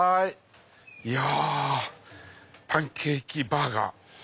いやパンケーキバーガー。